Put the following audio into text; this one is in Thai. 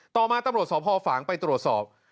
ต่อมาตำรวจสพฝางไปตรวจสอบ